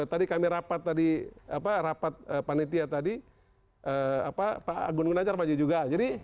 tadi kami rapat tadi rapat panitia tadi pak agun gunajar maju juga